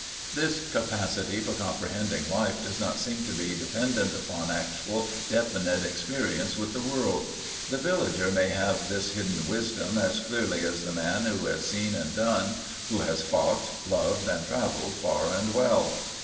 This capacity for comprehending life does not seem to be dependent upon actual definite experience with the world. The villager may have this hidden wisdom as clearly as the man who has seen and done, who has fought, loved and travelled far and well.